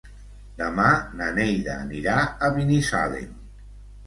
Demà na Neida anirà a Binissalem.